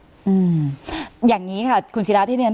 อื่อเงี่ยงนี้ค่ะคุณศีราษฎีนึน